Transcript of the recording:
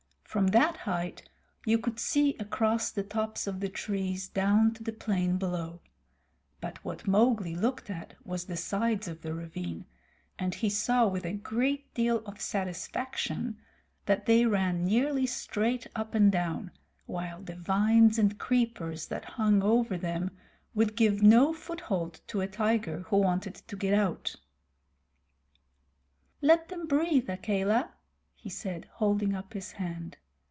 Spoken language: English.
From that height you could see across the tops of the trees down to the plain below; but what Mowgli looked at was the sides of the ravine, and he saw with a great deal of satisfaction that they ran nearly straight up and down, while the vines and creepers that hung over them would give no foothold to a tiger who wanted to get out. "Let them breathe, Akela," he said, holding up his hand.